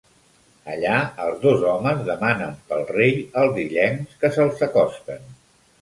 Allà, els dos homes demanen pel rei als illencs que se'ls acosten.